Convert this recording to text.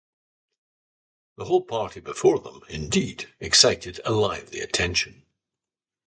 The whole party before them, indeed, excited a lively attention.